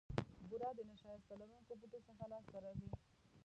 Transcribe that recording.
بوره د نیشاسته لرونکو بوټو څخه لاسته راځي.